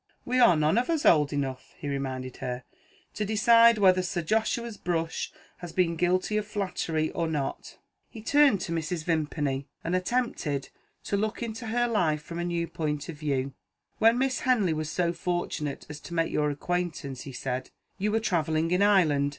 "We are none of us old enough," he reminded her, "to decide whether Sir Joshua's brush has been guilty of flattery or not." He turned to Mrs. Vimpany, and attempted to look into her life from a new point of view. "When Miss Henley was so fortunate as to make your acquaintance," he said, "you were travelling in Ireland.